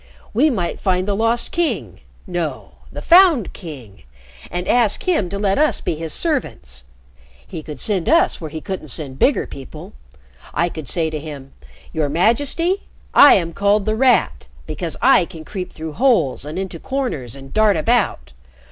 We might find the Lost King no, the Found King and ask him to let us be his servants. He could send us where he couldn't send bigger people. I could say to him, 'Your Majesty, I am called "The Rat," because I can creep through holes and into corners and dart about.